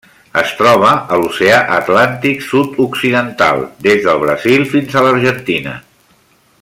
Es troba a l'Oceà Atlàntic sud-occidental: des del Brasil fins a l'Argentina.